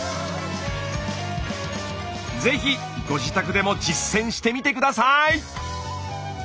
ぜひご自宅でも実践してみて下さい！